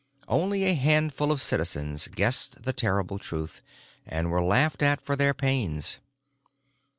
Only a handful of citizens guessed the terrible truth, and were laughed at for their pains.